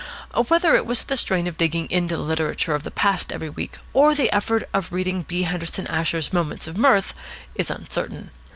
Whether it was the strain of digging into the literature of the past every week, or the effort of reading B. Henderson Asher's "Moments of Mirth" is uncertain.